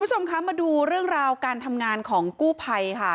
คุณผู้ชมคะมาดูเรื่องราวการทำงานของกู้ภัยค่ะ